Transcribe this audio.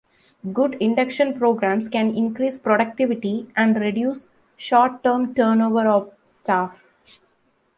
Good induction programmes can increase productivity and reduce short-term turnover of staff.